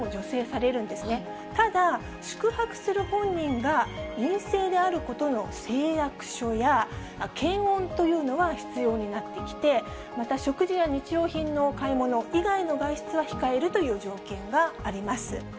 ただ、宿泊する本人が陰性であることの誓約書や、検温というのは必要になってきて、また食事や日用品の買い物以外の外出は控えるという条件があります。